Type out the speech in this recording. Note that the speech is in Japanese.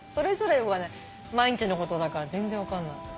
毎日のことだから全然分かんない。